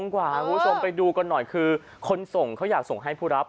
คุณผู้ชมไปดูกันหน่อยคือคนส่งเขาอยากส่งให้ผู้รับ